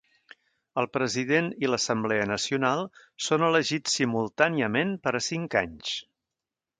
El president i l'Assemblea Nacional són elegits simultàniament per a cinc anys.